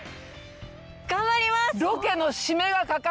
頑張ります！